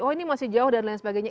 oh ini masih jauh dan lain sebagainya